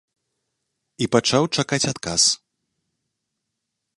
І пачаў чакаць адказ.